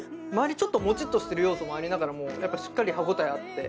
ちょっともちっとしてる要素もありながらもやっぱしっかり歯応えあって。